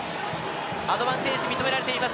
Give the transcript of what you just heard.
アドバンテージが認められています。